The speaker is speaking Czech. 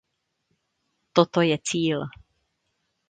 Toto je cíl.